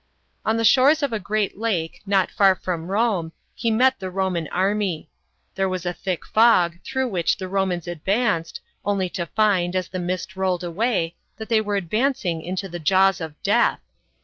On the shores of a great lake, not far from Rome, he met the Roman army. There was a thick fog, through which the Romans advanced, only to find, as the mist rolled away, that they were advancing into the jaws of death.